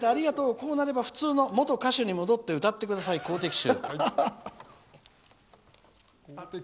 こうなれば普通の元歌手になって歌ってください、「好敵手」」。